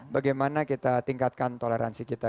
bagaimana kita tingkatkan toleransi kita